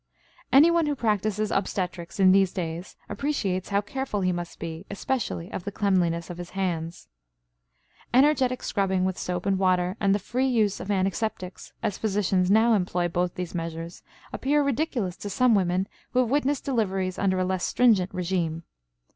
Anyone who practices obstetrics in these days appreciates how careful he must be, especially of the cleanliness of his hands. Energetic scrubbing with soap and water and the free use of antiseptics, as physicians now employ both these measures, appear ridiculous to some women who have witnessed deliveries under a less stringent regime.